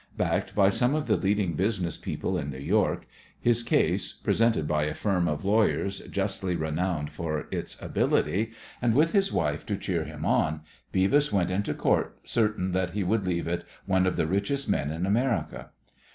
Backed by some of the leading business people in New York, his case, presented by a firm of lawyers justly renowned for its ability, and with his wife to cheer him on, Beavis went into Court certain that he would leave it one of the richest men in America.